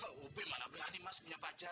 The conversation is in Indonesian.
ah upi mana berani mas punya pacar